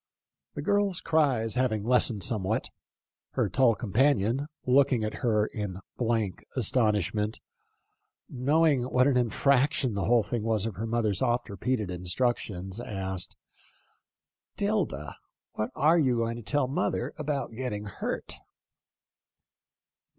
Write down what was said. The girl's cries having 3 34 THE LIFE OF LINCOLN. lessened somewhat, her tall companion, looking at her in blank astonishment, knowing what an in fraction the whole thing was of her mother's oft repeated instructions, asked ;"' Tilda, what are you going to tell mother about getting hurt